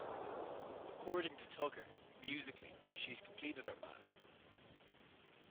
According to Tucker, Musically, she's completed our band.